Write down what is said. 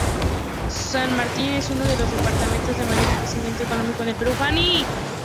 San Martín es uno de los departamentos de mayor crecimiento económico en el Perú.